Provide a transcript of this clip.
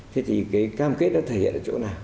thế thì cái cam kết đã thể hiện ở chỗ nào